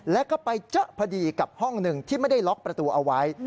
แล้วก็ไปเจอพอดีกับห้องหนึ่งที่ไม่ได้ล็อกประตูเอาไว้